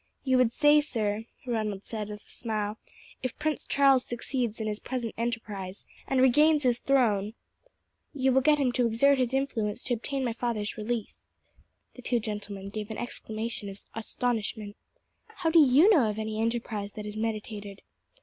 "You would say, sir," Ronald said with a smile, "If Prince Charles succeeds in his present enterprise, and regains his throne, you will get him to exert his influence to obtain my father's release." The two gentlemen gave an exclamation of astonishment. "How do you know of any enterprise that is meditated?"